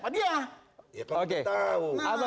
sangat mudah kalau kita